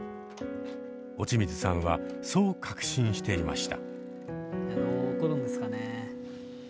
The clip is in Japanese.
落水さんはそう確信していました。